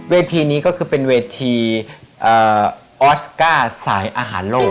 เวทีนี้ก็คือเป็นเวทีออสการ์สายอาหารโลก